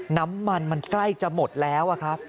น้ำมันมันใกล้จะหมดแล้วครับ